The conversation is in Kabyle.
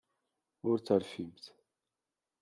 Ur terfimt.